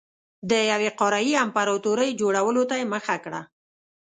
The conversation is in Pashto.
د یوې قاره يي امپراتورۍ جوړولو ته یې مخه کړه.